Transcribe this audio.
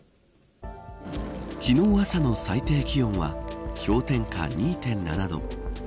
昨日朝の最低気温は氷点下２．７度。